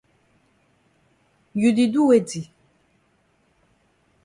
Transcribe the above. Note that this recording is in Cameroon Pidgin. You di do weti?